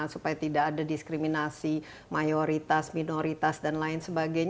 supaya tidak ada diskriminasi mayoritas minoritas dan lain sebagainya